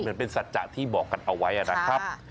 เหมือนเป็นสัจจะที่บอกกันเอาไว้นะครับ